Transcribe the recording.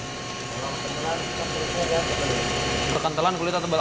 kalau kekentelan maksudnya dia kekentelan